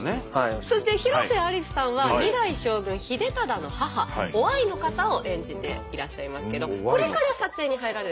そして広瀬アリスさんは二代将軍秀忠の母於愛の方を演じていらっしゃいますけどこれから撮影に入られる。